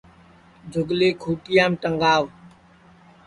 جھُگلی کھُونٚٹِیام ٹگاو